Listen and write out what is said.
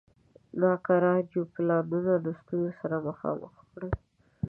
ناکراریو پلانونه له ستونزو سره مخامخ کړل.